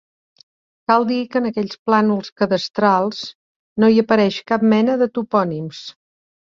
Cal dir que en aquells plànols cadastrals no hi apareix cap mena de topònims.